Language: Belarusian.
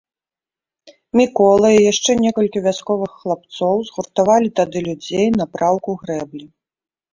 Мікола і яшчэ некалькі вясковых хлапцоў згуртавалі тады людзей на праўку грэблі.